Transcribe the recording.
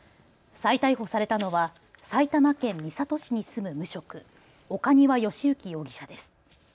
再逮捕されたのは埼玉県三郷市に住む無職、岡庭由征容疑者です。